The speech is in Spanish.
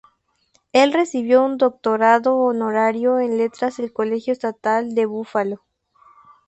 Él recibió un doctorado honorario en letras del Colegio Estatal de Buffalo.